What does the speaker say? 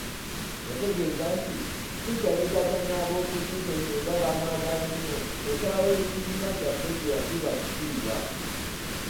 Yategeeza nti, “Sipiika yeegatta n'aba Opozisoni era bamwagala nnyo, ensalawo y’ekibiina kyaffe tagiwa kitiibwa”